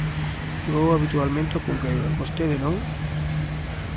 Eu vou habitualmente ao Cunqueiro, vostede non.